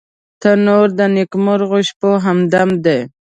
تنور د نیکمرغه شپو همدم دی